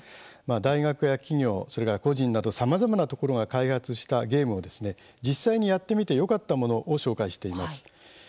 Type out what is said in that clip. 大学や企業、それから個人などさまざまなところが開発したゲームを実際にやってみてよかったものを紹介しています。